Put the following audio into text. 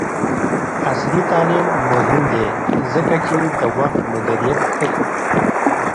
عصري تعلیم مهم دی ځکه چې د وخت مدیریت ښيي.